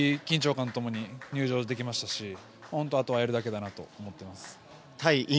今、いい緊張感とともに入場できましたし、本当にあとはやるだけだなと思っています。